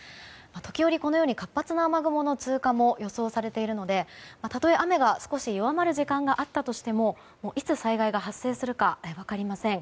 時折、活発な雨雲の通過も予想されているのでたとえ雨が少し弱まる時間帯があってもいつ災害が発生するか分かりません。